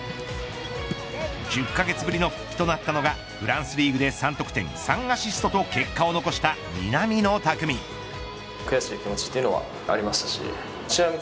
１０カ月ぶりの復帰となったのがフランスリーグで３得点３アシストと結果を残した南野拓実。わ！